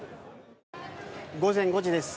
午前５時です。